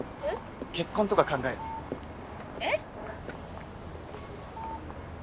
結婚とか考える？え？